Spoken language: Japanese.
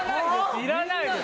いらないです！